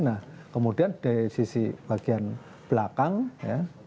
nah kemudian dari sisi bagian belakang ya